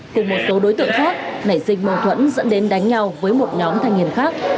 cùng một số đối tượng khác nảy sinh mâu thuẫn dẫn đến đánh nhau với một nhóm thanh niên khác